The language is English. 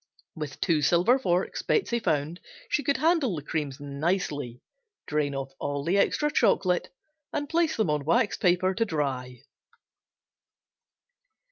With two silver forks Betsey found she could handle the creams nicely, drain off all the extra chocolate and place on waxed paper to dry.